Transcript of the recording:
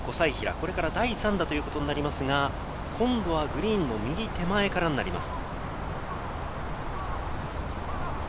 これから第３打ということになりますが、今度はグリーンの右手前からになります。